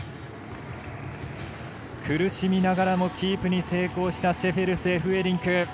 苦しみながらもキープに成功したシェフェルス、エフベリンク。